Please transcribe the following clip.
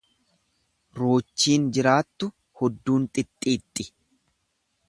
Ruuchiin jiraattu hudduun xixxiixxi.